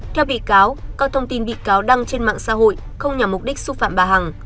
theo bị cáo các thông tin bị cáo đăng trên mạng xã hội không nhằm mục đích xúc phạm bà hằng